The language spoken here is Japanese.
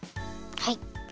はい。